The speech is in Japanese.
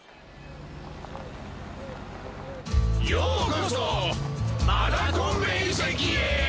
ようこそマダコンベいせきへ！